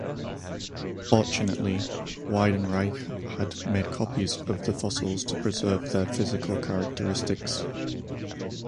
Fortunately, Weidenreich had made copies of the fossils to preserve their physical characteristics.